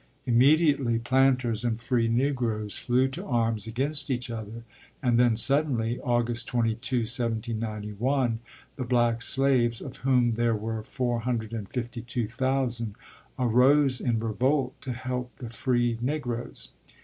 Immediately planters and free Negroes flew to arms against each other and then, suddenly, August 22, 1791, the black slaves, of whom there were four hundred and fifty two thousand, arose in revolt to help the free Negroes.